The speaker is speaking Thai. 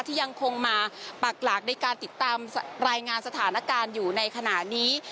ที่ยังคงมาปากหลักในการติดตามรายงานสถานการณ์อยู่ในขณะนี้